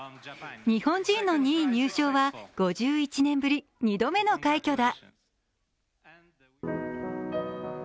日本人の２位入賞は５１年ぶり、２度目の快挙だ。